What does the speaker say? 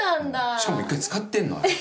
しかも１回使ってんのあれ。